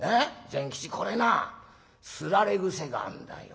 善吉これなすられ癖があんだよ。